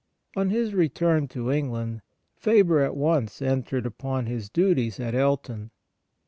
On his return to England, Faber at once entered upon his duties at Elton.